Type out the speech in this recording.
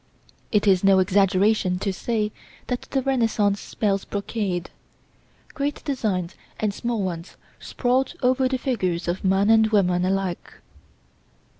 It is no exaggeration to say that the Renaissance spells brocade. Great designs and small ones sprawled over the figures of man and woman alike.